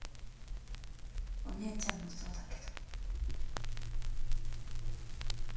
お姉ちゃんもそうだけど。